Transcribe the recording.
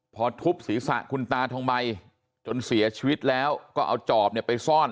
พอทุบศีรษะคุณตาทองใบจนเสียชีวิตแล้วก็เอาจอบเนี่ยไปซ่อน